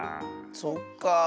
そっかあ。